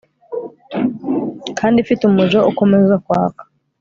kandi ifite umuriro ukomeza kwaka